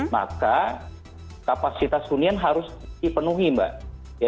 maka kapasitas hunian harus dipenuhi mbak